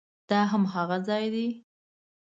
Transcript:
دا هماغه ځای دی؟